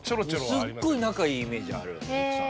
すっごい仲いいイメージある奥さんと。